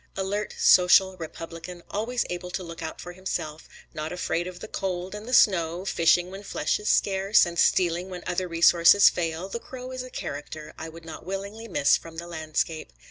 Alert, social, republican, always able to look out for himself, not afraid of the cold and the snow, fishing when flesh is scarce, and stealing when other resources fail, the crow is a character I would not willingly miss from the landscape.